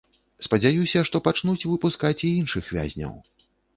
Спадзяюся, што пачнуць выпускаць і іншых вязняў.